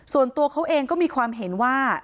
ส่วนตัวเขาเองก็มีความเห็นว่า